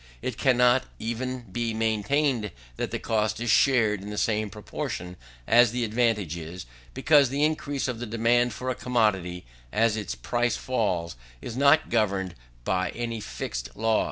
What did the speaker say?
It cannot even be maintained that the cost is shared in the same proportion as the advantage is; because the increase of the demand for a commodity as its price falls, is not governed by any fixed law.